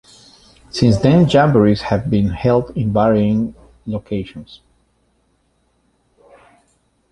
Since then, jamborees have been held in varying locations.